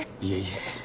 いえいえ。